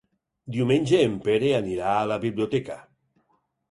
Diumenge en Pere anirà a la biblioteca.